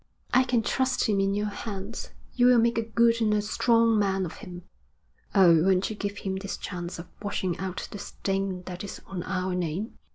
'I can trust him in your hands. You will make a good and a strong man of him. Oh, won't you give him this chance of washing out the stain that is on our name?'